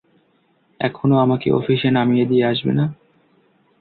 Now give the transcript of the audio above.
এখনও আমাকে অফিসে নামিয়ে দিয়ে আসবে না?